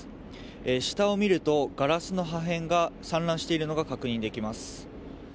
下を見るとガラスの破片が散乱しているのが確認できます。